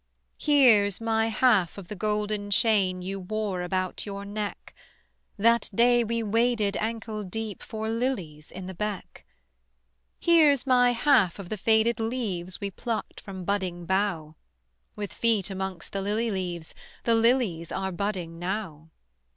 "Here's my half of the golden chain You wore about your neck, That day we waded ankle deep For lilies in the beck: "Here's my half of the faded leaves We plucked from budding bough, With feet amongst the lily leaves, The lilies are budding now."